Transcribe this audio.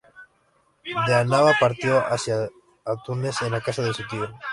De Annaba partió hacia a Túnez en la casa de su tío.